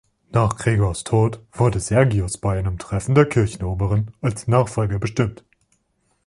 Nach Gregors Tod wurde Sergius bei einem Treffen der Kirchenoberen als Nachfolger bestimmt.